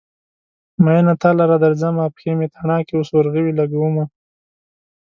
مينه تا لره درځمه : پښې مې تڼاکې اوس ورغوي لګومه